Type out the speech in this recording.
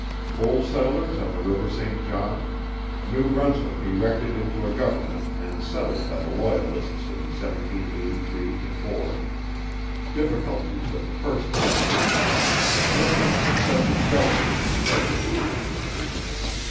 _Old Settlers on the River Saint John. New Brunswick erected into a Government, and settled by the Loyalists in 1783 4. Difficulties of the first Settlers. List of successive Governors and Presidents.